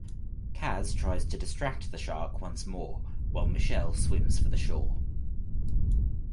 Kaz tries to distract the shark once more while Michelle swims for the shore.